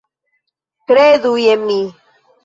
Kredu je mi.